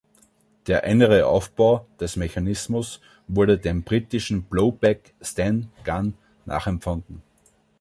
Der innere Aufbau des Mechanismus wurde dem britischen Blowback Sten Gun nachempfunden.